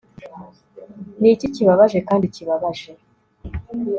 Niki kibabaje kandi kibabaje